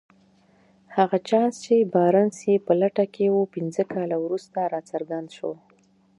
هغه چانس چې بارنس يې په لټه کې و پنځه کاله وروسته راڅرګند شو.